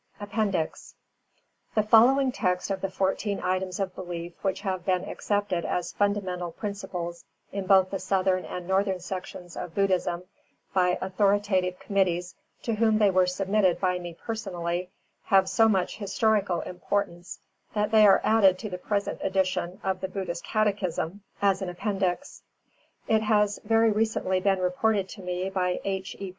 APPENDIX The following text of the fourteen items of belief which have been accepted as fundamental principles in both the Southern and Northern sections of Buddhism, by authoritative committees to whom they were submitted by me personally, have so much historical importance that they are added to the present edition of THE BUDDHIST CATECHISM as an Appendix. It has very recently been reported to me by H. E.